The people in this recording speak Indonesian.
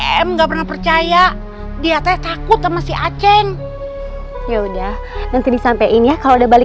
emgak pernah percaya dia takut sama si achen ya udah nanti disampein ya kalau udah balik